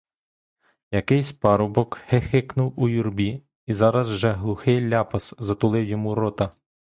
Якийсь парубок хихикнув у юрбі, і зараз же глухий ляпас затулив йому рота.